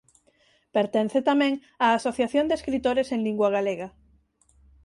Pertence tamén á Asociación de Escritores en Lingua Galega.